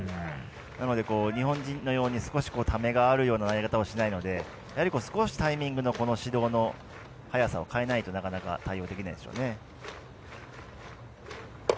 なので日本人のように少し、ためがあるような投げ方をしないので少しタイミングの始動の速さを変えないとなかなか対応できないですね。